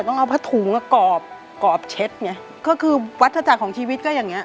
ต้องเอาผ้าถุงอ่ะกรอบกรอบเช็ดไงก็คือวัฒนาจักรของชีวิตก็อย่างเงี้